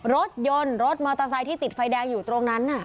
รถยนต์รถมอเตอร์ไซค์ที่ติดไฟแดงอยู่ตรงนั้น